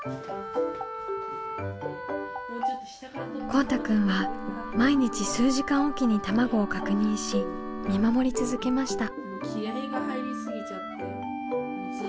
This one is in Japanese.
こうたくんは毎日数時間おきに卵を確認し見守り続けました。